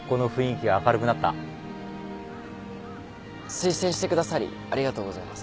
推薦してくださりありがとうございます。